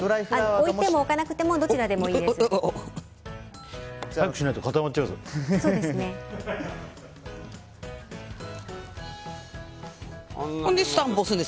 置いても置かなくてもどちらでもいいです。